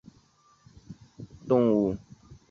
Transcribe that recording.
石貂为鼬科貂属的动物。